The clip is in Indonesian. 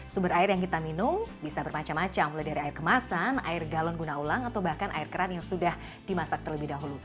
sumber air yang kita minum bisa bermacam macam mulai dari air kemasan air galon guna ulang atau bahkan air keran yang sudah dimasak terlebih dahulu